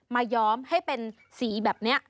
ย้อมให้เป็นสีแบบนี้